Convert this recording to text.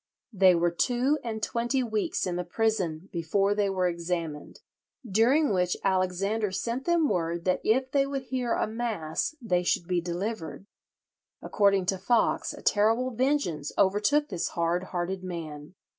They were two and twenty weeks in the prison before they were examined, during which Alexander sent them word that if they would hear a mass they should be delivered. According to Foxe a terrible vengeance overtook this hard hearted man.